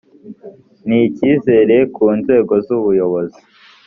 ni icyizere ku nzego z’ubuyobozi